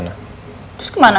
tapi bukan kesana